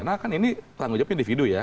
karena kan ini tanggung jawab individu ya